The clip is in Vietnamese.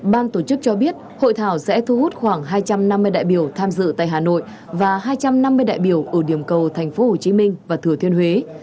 ban tổ chức cho biết hội thảo sẽ thu hút khoảng hai trăm năm mươi đại biểu tham dự tại hà nội và hai trăm năm mươi đại biểu ở điểm cầu thành phố hồ chí minh và thừa thiên huế